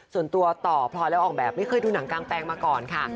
ส่วนตัวต่อพลอยแล้วออกแบบไม่เคยดูหนังกางแปลงมาก่อนค่ะ